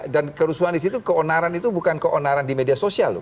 dan kerusuhan di situ keonaran itu bukan keonaran di media sosial